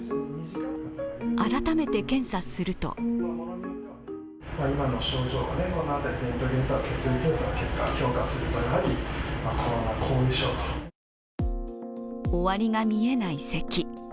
改めて検査すると終わりが見えないせき。